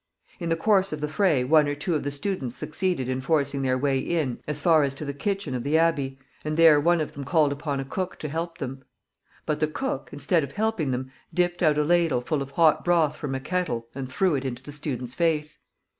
In the course of the fray one or two of the students succeeded in forcing their way in as far as to the kitchen of the abbey, and there one of them called upon a cook to help them. But the cook, instead of helping them, dipped out a ladle full of hot broth from a kettle and threw it into the student's face.